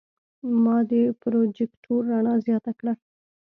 ما د پروجیکتور رڼا زیاته کړه.